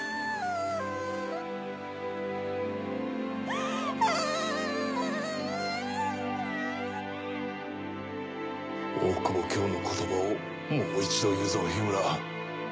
泣き声大久保卿の言葉をもう一度言うぞ緋村。